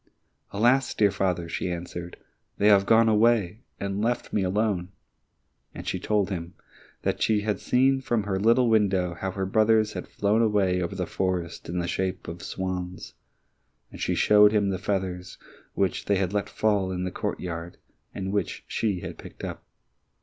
"Alas, dear father," she answered, "they have gone away and left me alone!" and she told him that she had seen from her little window how her brothers had flown away over the forest in the shape of swans, and she showed him the feathers, which they had let fall in the courtyard, and which she had picked up.